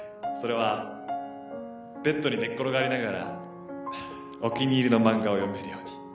それはベッドに寝っ転がりながらお気に入りの漫画を読めるように。